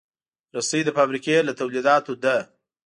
رسۍ د فابریکې له تولیداتو ده.